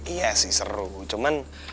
iya sih seru cuman